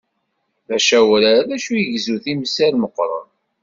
D acawrar dacu igezzu timsal meqqren.